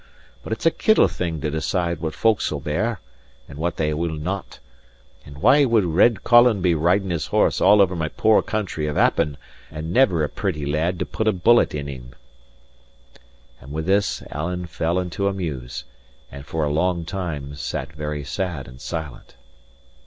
But it's a kittle thing to decide what folk'll bear, and what they will not. Or why would Red Colin be riding his horse all over my poor country of Appin, and never a pretty lad to put a bullet in him?" * Careful. And with this Alan fell into a muse, and for a long time sate very sad and silent.